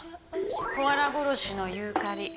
コアラ殺しのユーカリ。